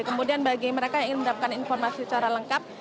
kemudian bagi mereka yang ingin mendapatkan informasi secara lengkap